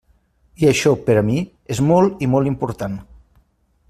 I això per a mi és molt i molt important.